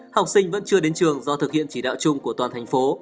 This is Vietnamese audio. học sinh vẫn chưa đến trường do thực hiện chỉ đạo chung của toàn thành phố